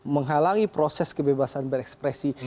menghalangi proses kebebasan berekspresi